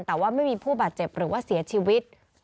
แต่ว่าไม่มีผู้บาดเจ็บหรือว่าเสียชีวิต